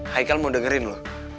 haikal mau dengerin lo